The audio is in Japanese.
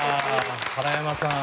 原山さん